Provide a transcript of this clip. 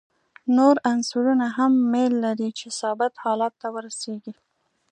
نور عنصرونه هم میل لري چې ثابت حالت ته ورسیږي.